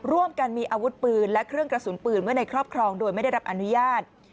ร่วมกันมีอาวุธปืนและเครื่องกระสุนปืนไว้ในครอบครองโดยไม่ได้รับอนุญาต